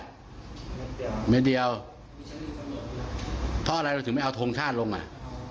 ใช่ค่ะแล้วก็ที่บอกว่าทำไมถึงเอาทงชาติลงมา